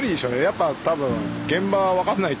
やっぱ多分現場分かんないと。